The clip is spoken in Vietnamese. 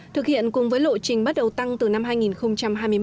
thực hiện cùng với lộ trình bắt đầu tăng từ năm hai nghìn hai mươi một